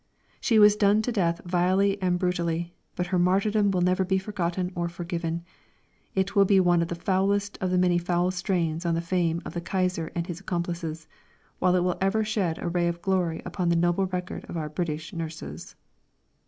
She was done to death vilely and brutally, but her martyrdom will never be forgotten or forgiven; it will be one of the foulest of the many foul stains on the fame of the Kaiser and his accomplices, while it will ever shed a ray of glory upon the noble record of our British Nurses.